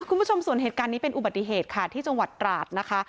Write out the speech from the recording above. คุณผู้ชมส่วนเหตุการณ์นี้เป็นอุบัติเหตุค่ะที่จังหวัดตราดนะคะ